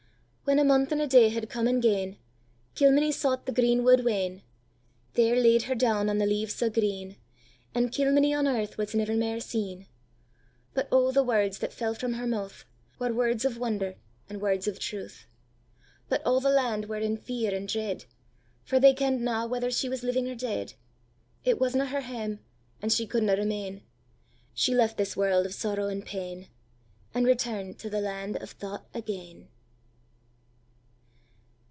When a month and a day had come and gane, Kilmeny sought the green wood wene; There laid her down on the leaves sae green, And Kilmeny on earth was never mair seen. But O, the words that fell from her mouthWere words of wonder, and words of truth! But all the land were in fear and dread, For they kendna whether she was living or dead.It wasna her hame, and she couldna remain; She left this world of sorrow and pain, And return'd to the land of thought again.